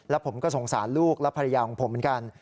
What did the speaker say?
แล้วผมก็สงสารลูกและภรรยาของผมเหมือนกัน